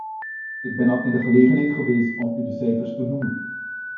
Ik ben al in de gelegenheid geweest u de cijfers te noemen.